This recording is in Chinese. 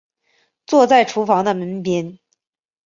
坐在厨房的门边